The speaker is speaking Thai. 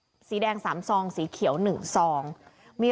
และก็คือว่าถึงแม้วันนี้จะพบรอยเท้าเสียแป้งจริงไหม